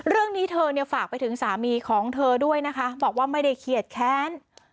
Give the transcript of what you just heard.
เรื่องนี้เธอเนี่ยฝากไปถึงสามีของเธอด้วยนะคะบอกว่าไม่ได้เขียดแค้น